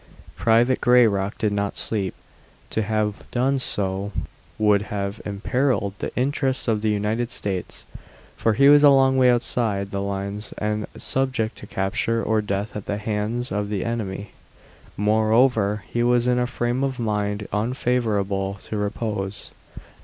Private Grayrock did not sleep; to have done so would have imperiled the interests of the United States, for he was a long way outside the lines and subject to capture or death at the hands of the enemy. Moreover, he was in a frame of mind unfavorable to repose.